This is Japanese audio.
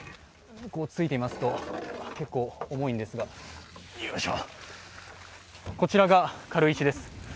ここをついてみますと、結構重いんですが、こちらが軽石です。